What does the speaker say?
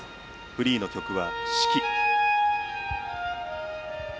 フリーの曲は「四季」。